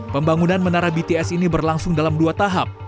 pembangunan menara bts ini berlangsung dalam dua tahap